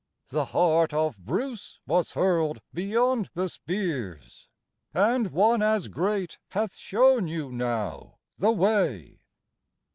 The heart of Bruce was hurled beyond the spears, And one as great hath shown you now the way.